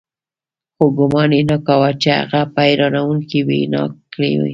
خو ګومان يې نه کاوه چې هغه به حيرانوونکې وينا وکړي.